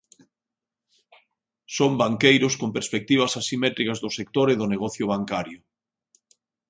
"Son banqueiros con perspectivas asimétricas do sector e do negocio bancario"."